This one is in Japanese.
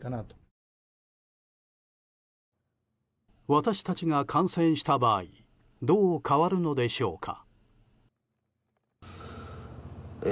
私たちが感染した場合どう変わるのでしょうか。